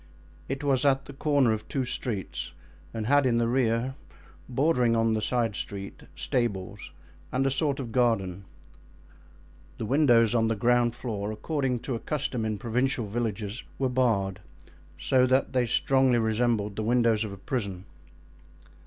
It was at the corner of two streets and had in the rear, bordering on the side street, stables and a sort of garden. The windows on the ground floor, according to a custom in provincial villages, were barred, so that they strongly resembled the windows of a prison.